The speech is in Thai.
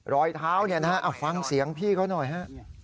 รอยเท้าเนี่ยนะฮะฟังเสียงพี่เขาหน่อยฮะ